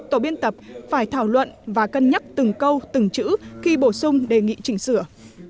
tổ biên tập phải thảo luận và cân nhắc từng câu từng chữ khi bổ sung đề nghị chỉnh sửa